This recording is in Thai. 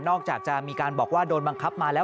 จากจะมีการบอกว่าโดนบังคับมาแล้ว